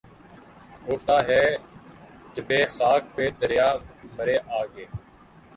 گھستا ہے جبیں خاک پہ دریا مرے آگے